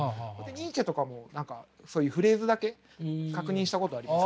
ニーチェとかも何かそういうフレーズだけ確認したことあります。